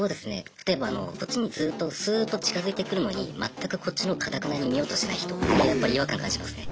例えばあのこっちにずっとスーッと近づいてくるのに全くこっちのほう頑なに見ようとしない人やっぱり違和感感じますね。